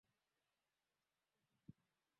Alimwambia Jacob kuwa sehemu ile sio salama kwake